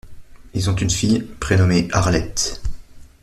Ils ont une fille, prénommée Arlette.